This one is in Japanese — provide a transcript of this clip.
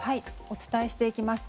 お伝えしていきます。